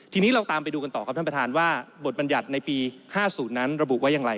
ทีนี้เราตามไปดูกันต่อครับท่านประธานว่าบทบรรยัติในปี๕๐นั้นระบุไว้อย่างไร